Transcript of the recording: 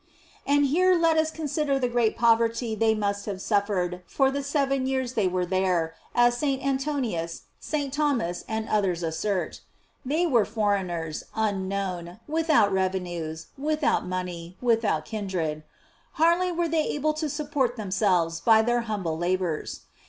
And here let us consider the great poverty they must have suffered for the seven years they were there, as St. Antoninus, St. Thomas, and others assert, They were foreigners, unknown, without revenues, without money, without kin dred; hardly were they able to support them selves by their humble labors.